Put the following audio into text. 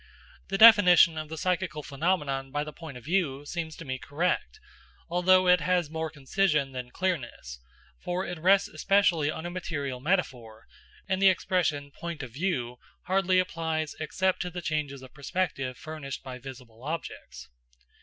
The definition of the psychical phenomenon by the point of view seems to me correct, although it has more concision than clearness; for it rests especially upon a material metaphor, and the expression "point of view" hardly applies except to the changes of perspective furnished by visible objects.